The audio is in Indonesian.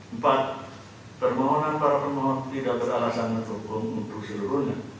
empat permohonan para pemohon tidak beralasan hukum untuk seluruhnya